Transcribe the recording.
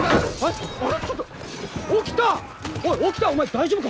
大丈夫か？